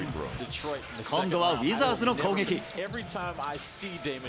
今度はウィザーズの攻撃。